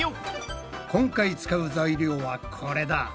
今回使う材料はこれだ。